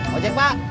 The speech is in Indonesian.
mau cek pak